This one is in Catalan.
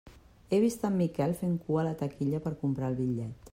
He vist en Miquel fent cua a la taquilla per comprar el bitllet.